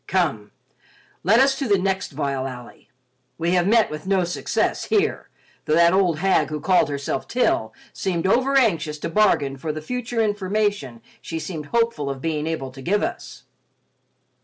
Come, let us to the next vile alley. We have met with no success here, though that old hag who called herself Til seemed overanxious to bargain for the future information she seemed hopeful of being able to give us."